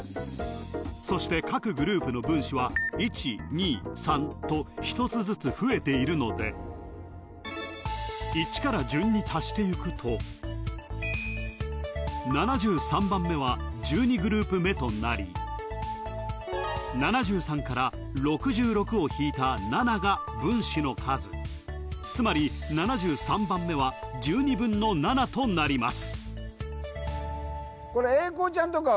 そして各グループの分子は１２３と１つずつ増えているので１から順に足していくと７３番目は１２グループ目となり７３から６６を引いた７が分子の数つまり７３番目は１２分の７となります